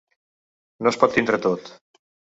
No es pot tindre tot.